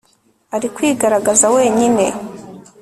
Ari kwigaragaza wenyine